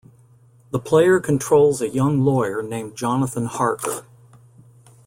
The player controls a young lawyer named Jonathan Harker.